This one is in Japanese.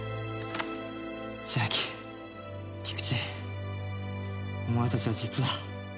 千晶菊池お前たちは実は。